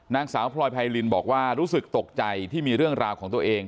นางสาวพลอยไพรินบอกว่ารู้สึกตกใจที่มีเรื่องราวของตัวเอง